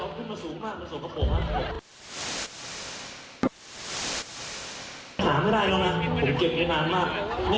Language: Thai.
เอาไปทั้งสองคู่หรือว่าเราจะเก็บด้วยคนละครั้ง